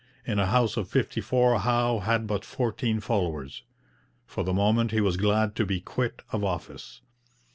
In a house of fifty four Howe had but fourteen followers. For the moment he was glad to be quit of office.